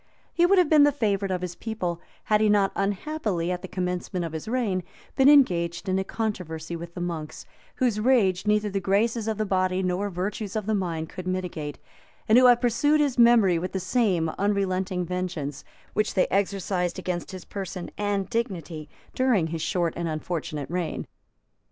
[*] He would have been the favorite of his people, had he not unhappily, at the commencement of his reign, been engaged in a controversy with the monks, whose rage neither the graces of the body nor virtues of the mind could mitigate, and who have pursued his memory with the same unrelenting vengeance, which they exercised against his person and dignity during his short and unfortunate reign.